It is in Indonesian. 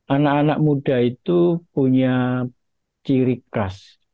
anak anak muda itu punya ciri khas